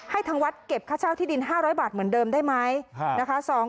ทางวัดเก็บค่าเช่าที่ดิน๕๐๐บาทเหมือนเดิมได้ไหมนะคะ